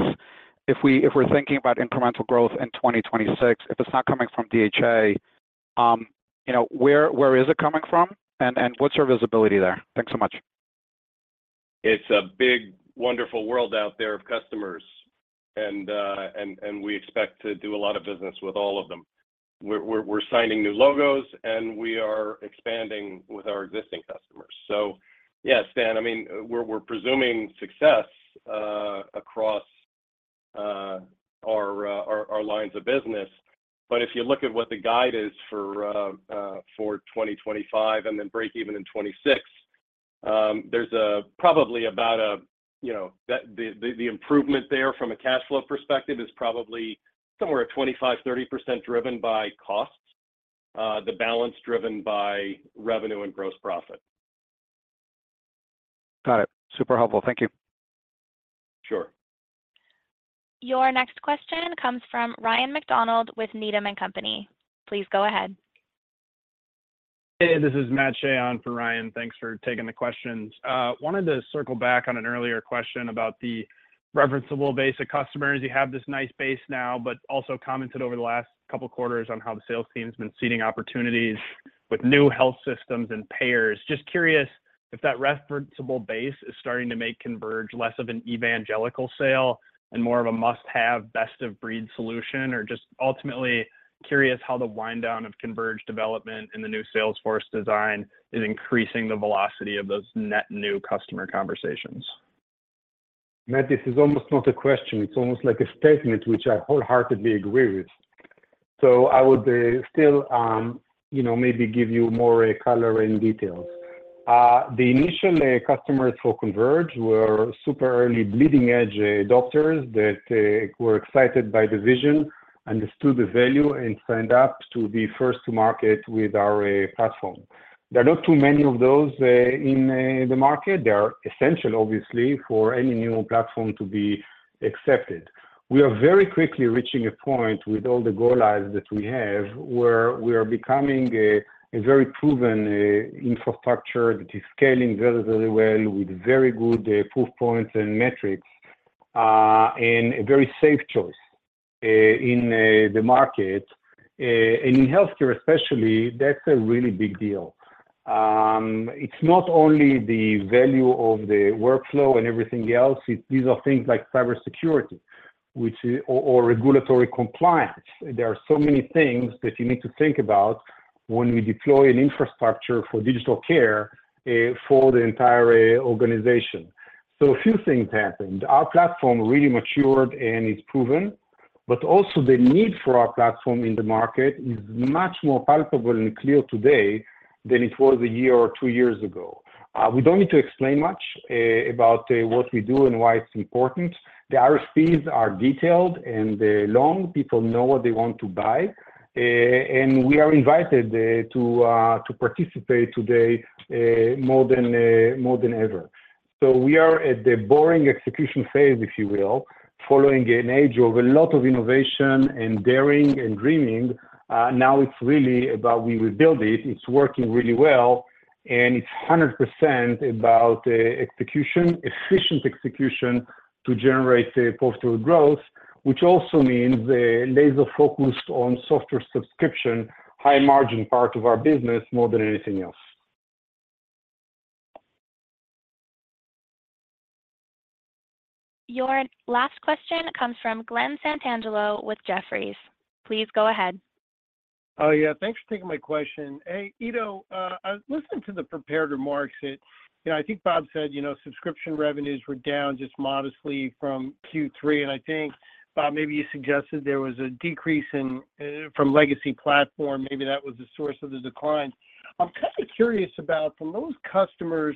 if we're thinking about incremental growth in 2026, if it's not coming from DHA, where is it coming from, and what's our visibility there? Thanks so much. It's a big, wonderful world out there of customers. We expect to do a lot of business with all of them. We're signing new logos, and we are expanding with our existing customers. So yeah, Stan, I mean, we're presuming success across our lines of business. But if you look at what the guide is for 2025 and then break-even in 2026, there's probably about the improvement there from a cash flow perspective is probably somewhere at 25%-30% driven by costs, the balance driven by revenue and gross profit. Got it. Super helpful. Thank you. Sure. Your next question comes from Ryan MacDonald with Needham & Company. Please go ahead. Hey. This is Matthew Shea on for Ryan. Thanks for taking the questions. Wanted to circle back on an earlier question about the referenceable base of customers. You have this nice base now, but also commented over the last couple of quarters on how the sales team's been seeding opportunities with new health systems and payers. Just curious if that referenceable base is starting to make Converge less of an evangelical sale and more of a must-have, best-of-breed solution, or just ultimately curious how the wind-down of Converge development and the new Salesforce design is increasing the velocity of those net new customer conversations. Matt, this is almost not a question. It's almost like a statement, which I wholeheartedly agree with. So I would still maybe give you more color and details. The initial customers for Converge were super early, bleeding-edge adopters that were excited by the vision, understood the value, and signed up to be first to market with our platform. There are not too many of those in the market. They are essential, obviously, for any new platform to be accepted. We are very quickly reaching a point with all the go-lives that we have where we are becoming a very proven infrastructure that is scaling very, very well with very good proof points and metrics and a very safe choice in the market. And in healthcare, especially, that's a really big deal. It's not only the value of the workflow and everything else. These are things like cybersecurity or regulatory compliance. There are so many things that you need to think about when we deploy an infrastructure for digital care for the entire organization. A few things happened. Our platform really matured, and it's proven. But also, the need for our platform in the market is much more palpable and clear today than it was a year or two years ago. We don't need to explain much about what we do and why it's important. The RFPs are detailed and long. People know what they want to buy. We are invited to participate today more than ever. We are at the boring execution phase, if you will, following an age of a lot of innovation and daring and dreaming. Now, it's really about we rebuild it. It's working really well. It's 100% about efficient execution to generate profitable growth, which also means laser-focused on software subscription, high-margin part of our business more than anything else. Your last question comes from Glen Santangelo with Jefferies. Please go ahead. Oh, yeah. Thanks for taking my question. Hey, Ido, I listened to the prepared remarks. I think Bob said subscription revenues were down just modestly from Q3. I think, Bob, maybe you suggested there was a decrease from legacy platform. Maybe that was the source of the decline. I'm kind of curious about from those customers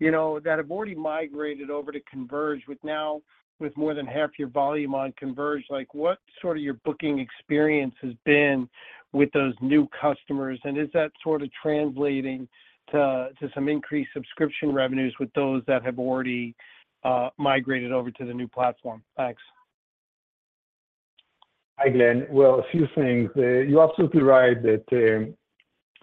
that have already migrated over to Converge now with more than half your volume on Converge, what sort of your booking experience has been with those new customers? And is that sort of translating to some increased subscription revenues with those that have already migrated over to the new platform? Thanks. Hi, Glen. Well, a few things. You're absolutely right that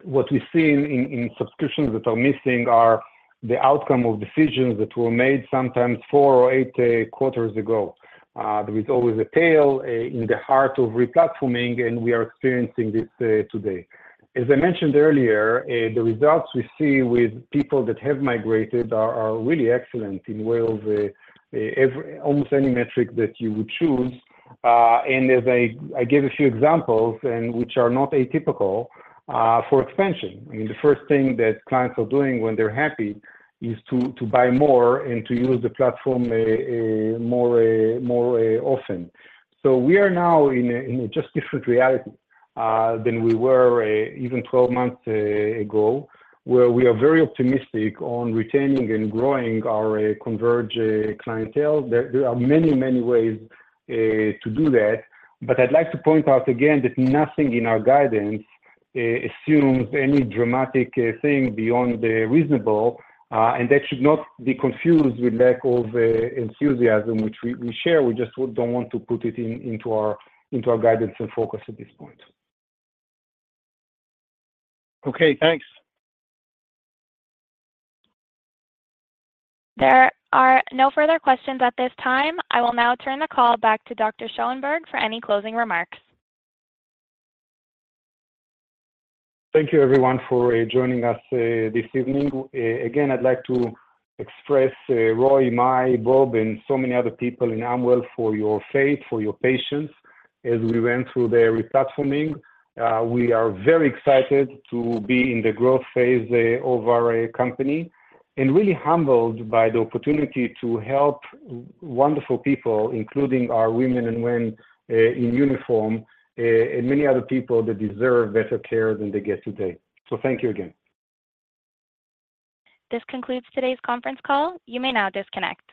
what we've seen in subscriptions that are missing are the outcome of decisions that were made sometimes four or eight quarters ago. There is always a tail in the heart of replatforming, and we are experiencing this today. As I mentioned earlier, the results we see with people that have migrated are really excellent in way of almost any metric that you would choose. And as I gave a few examples which are not atypical for expansion, I mean, the first thing that clients are doing when they're happy is to buy more and to use the platform more often. So we are now in a just different reality than we were even 12 months ago, where we are very optimistic on retaining and growing our Converge clientele. There are many, many ways to do that. But I'd like to point out again that nothing in our guidance assumes any dramatic thing beyond reasonable. And that should not be confused with lack of enthusiasm, which we share. We just don't want to put it into our guidance and focus at this point. Okay. Thanks. There are no further questions at this time. I will now turn the call back to Dr. Schoenberg for any closing remarks. Thank you, everyone, for joining us this evening. Again, I'd like to express Roy, my, Bob, and so many other people in Amwell for your faith, for your patience as we went through the replatforming. We are very excited to be in the growth phase of our company and really humbled by the opportunity to help wonderful people, including our women and men in uniform and many other people that deserve better care than they get today. Thank you again. This concludes today's conference call. You may now disconnect.